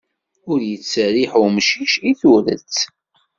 Ur ittserriḥ umcic i turet!